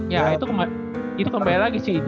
ya itu kembali lagi sih